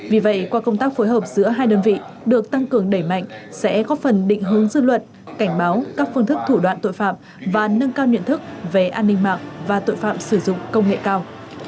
vì vậy qua công tác phối hợp giữa hai đơn vị được tăng cường đẩy mạnh sẽ có phần định hướng dư luận cảnh báo các phương thức thủ đoạn tội phạm và nâng cao nhận thức về an ninh mạng và tội phạm sử dụng công nghệ cao